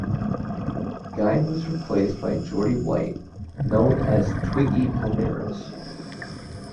Gein was replaced by Jeordie White, known as Twiggy Ramirez.